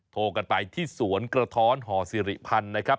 โทรกันไปที่สวนกระท้อนห่อสิริพันธ์นะครับ